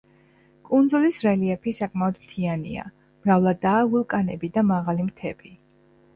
კუნძულის რელიეფი საკმაოდ მთიანია, მრავლადაა ვულკანები და მაღალი მთები.